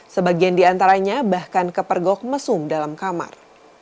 sebagian di antaranya bahkan kepergok mesum dalam kamar